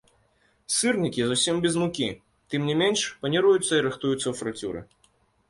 Сырнікі зусім без мукі, тым не менш, паніруюцца і рыхтуюцца ў фрыцюры.